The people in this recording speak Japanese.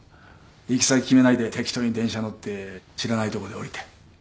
行き先決めないで適当に電車乗って知らないとこで降りて。